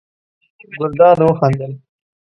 ګلداد وخندل.